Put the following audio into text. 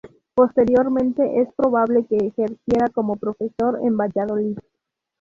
Posteriormente es probable que ejerciera como profesor en Valladolid.